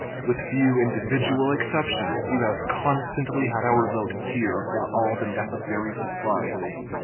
With few individual exceptions, you have constantly had our votes here for all the necessary supplies.